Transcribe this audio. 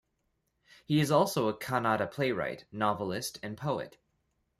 He is also a Kannada playwright, Novelist, and poet.